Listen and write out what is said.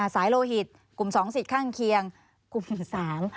สายโลหิตกลุ่ม๒สิทธิ์ข้างเคียงกลุ่ม๓